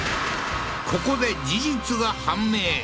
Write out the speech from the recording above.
ここで事実が判明